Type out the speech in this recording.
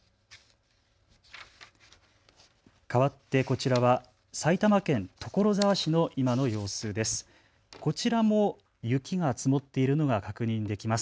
かわって、こちらは埼玉県所沢市の今の様子です。